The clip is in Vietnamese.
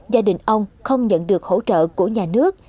gia đình ông không nhận được hỗ trợ của nhà nước